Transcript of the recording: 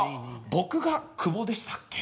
僕が久保でしたっけ？